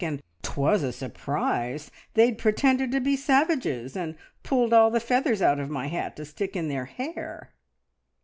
And 'twas a surprise! They'd pretended to be savages, and pulled all the feathers out of my hat to stick in their hair!"